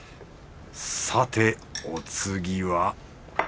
さてお次は。